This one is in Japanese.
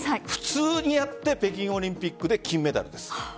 普通にやって北京オリンピックで金メダルです。